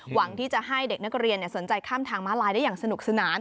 หวังที่จะให้เด็กนักเรียนสนใจข้ามทางม้าลายได้อย่างสนุกสนาน